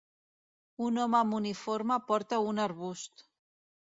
Un home amb uniforme porta un arbust.